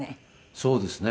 そうですね。